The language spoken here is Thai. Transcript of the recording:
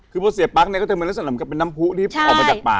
คือพอเสียปั๊กเนี่ยก็จะมีลักษณะเหมือนกับเป็นน้ำผู้ที่ออกมาจากป่า